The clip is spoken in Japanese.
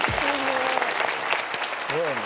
すごいね。